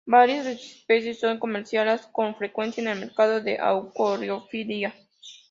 Varias de sus especies son comercializadas con frecuencia en el mercado de acuariofilia.